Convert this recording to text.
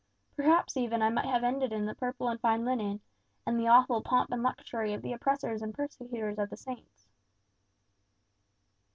Perhaps, even, I might have ended in the purple and fine linen, and the awful pomp and luxury of the oppressors and persecutors of the saints."